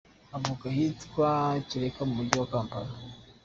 Avuka ahitwa Kireka mu mujyi wa Kampala.